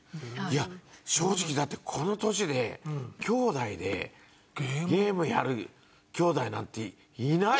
いや正直だってこの年で姉弟でゲームやる姉弟なんていないですよ。